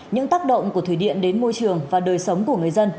những tác động của thủy điện đến môi trường và đời sống của người dân